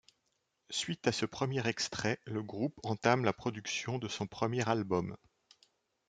Suite à ce premier extrait, le groupe entame la production de son premier album.